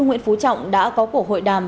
nguyễn phú trọng đã có cuộc hội đàm